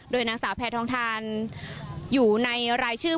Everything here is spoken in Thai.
นางสาวแพทองทานอยู่ในรายชื่อ